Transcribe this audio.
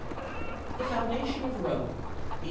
] THE FOUNDATION OF ROME B.